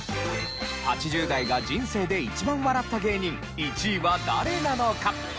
８０代が人生で一番笑った芸人１位は誰なのか？